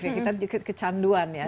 adiktif kita dikit kecanduan ya